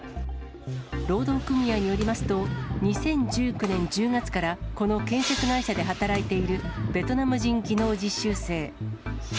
労働組合によりますと、２０１９年１０月から、この建設会社で働いているベトナム人技能実習生。